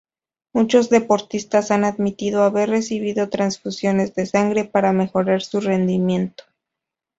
Muchos deportistas han admitido haber recibido transfusiones de sangre para mejorar su rendimiento.